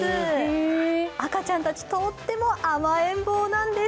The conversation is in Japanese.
赤ちゃんたち、とっても甘えん坊なんです。